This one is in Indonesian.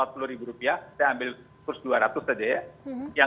saya ambil kursus rp dua ratus saja ya